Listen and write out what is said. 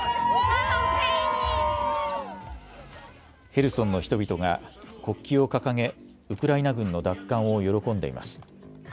ヘルソンの人々が国旗を掲げウクライナ軍の奪還を喜んでいます。